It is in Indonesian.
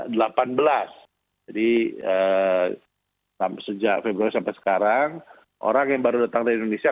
jadi sejak februari sampai sekarang orang yang baru datang dari indonesia